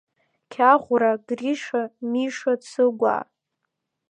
Кьаӷәра, Гриша, Миша Цыгәаа…